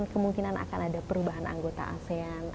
kemungkinan akan ada perubahan anggota asean